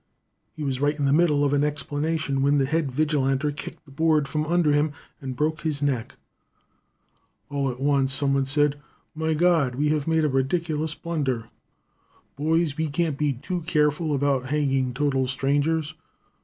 He was right in the middle of an explanation when the head vigilanter kicked the board from under him and broke his neck. [Illustration: BURIED WITH MILITARY HONORS.] "All at once, some one said: 'My God, we have made a ridiculous blunder. Boys, we can't be too careful about hanging total strangers.